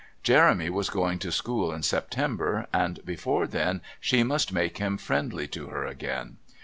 Jeremy was going to school in September, and before then she must make him friendly to her again.